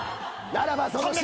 ならばその。